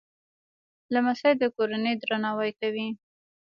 لمسی د کورنۍ درناوی کوي.